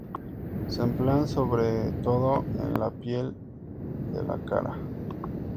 Se emplean sobre todo en la piel de la cara.